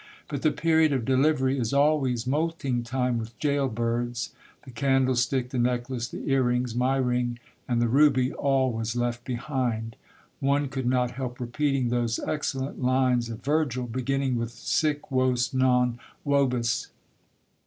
But the period of delivery is always moulting time with gaol birds ; the candlestick, the necklace, the ear rings, my ring, and the ruby, all was left behind. One could not help repeating those excellent lines of Virgil, beginning with Sic vos non vobis.